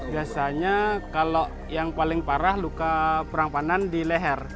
biasanya kalau yang paling parah luka perang panan di leher